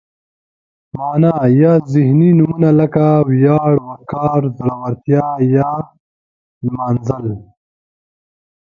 معنا یا ذهني نومونه لکه ویاړ، وقار، زړورتیا یا نمانځل.